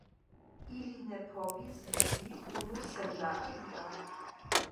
Ili ne povis vivi unu sen la alia.